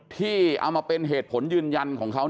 ที่เอามาเป็นเหตุผลยืนยันของเขา